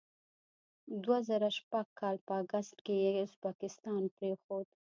دوه زره شپږ کال په اګست کې یې ازبکستان پرېښود.